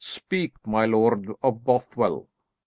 "Speak, my Lord of Bothwell."